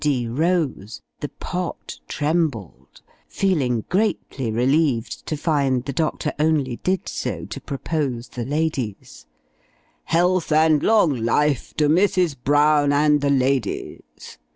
D. rose, the "Pott" trembled feeling greatly relieved to find the doctor only did so to propose the "ladies" "health and long life to Mrs. Brown and the ladies!"